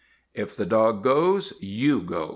If the dog goes, you go!